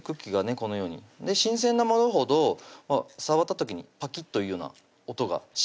このように新鮮なものほど触った時にパキッというような音がします